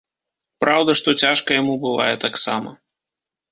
Праўда, што цяжка яму бывае таксама.